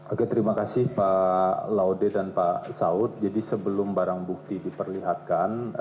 oke terima kasih pak laude dan pak saud jadi sebelum barang bukti diperlihatkan